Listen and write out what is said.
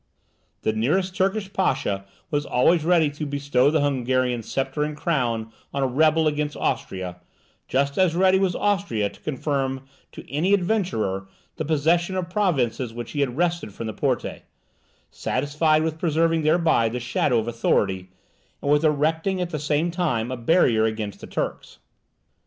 The nearest Turkish pasha was always ready to bestow the Hungarian sceptre and crown on a rebel against Austria; just as ready was Austria to confirm to any adventurer the possession of provinces which he had wrested from the Porte, satisfied with preserving thereby the shadow of authority, and with erecting at the same time a barrier against the Turks.